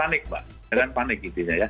dan jangan panik